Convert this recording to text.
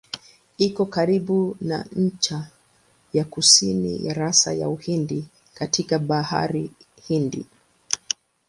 Iko karibu na ncha ya kusini ya rasi ya Uhindi katika Bahari Hindi.